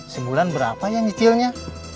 sembulan berapa yang jitilnya